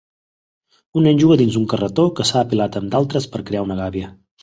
Un nen juga dins d'un carretó que s'ha apilat amb d'altres per crear una gàbia